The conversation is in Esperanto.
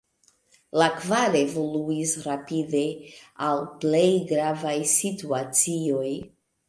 La kvar evoluis rapide al plej gravaj situacioj.